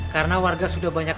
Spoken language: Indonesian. karena warga sudah banyak